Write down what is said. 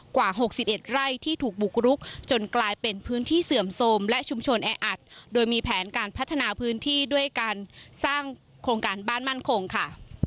กว่า๖๑ไร่ที่ถูกบุกรุกจนกลายเป็นพื้นที่เสื่อมโทรมและชุมชนแออัดโดยมีแผนการพัฒนาพื้นที่ด้วยการสร้างโครงการบ้านมั่นคงค่ะ